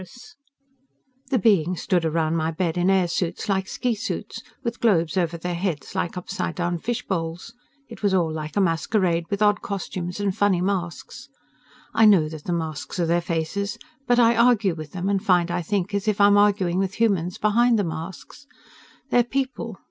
_ The beings stood around my bed in air suits like ski suits, with globes over their heads like upside down fishbowls. It was all like a masquerade, with odd costumes and funny masks. I know that the masks are their faces, but I argue with them and find I think as if I am arguing with humans behind the masks. They are people.